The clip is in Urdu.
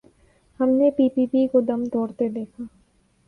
ہم نے پی پی پی کو دم توڑتے دیکھا۔